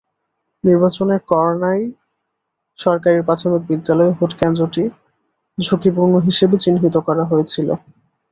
নির্বাচনে কর্ণাই সরকারি প্রাথমিক বিদ্যালয় ভোটকেন্দ্রটি ঝুঁকিপূর্ণ হিসেবে চিহ্নিত করা হয়েছিল।